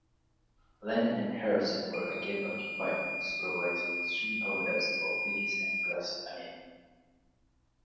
Lennon and Harrison were again occupied, supervising string overdubs for "Piggies" and "Glass Onion".